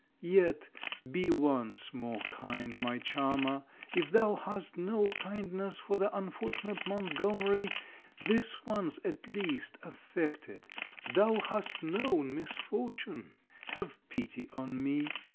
Yet, be once more kind, my charmer: if thou hast no kindness for the unfortunate Montgomery, this once, at least affect it. Thou hast known misfortune. Have pity on me!